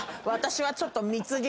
私はちょっと。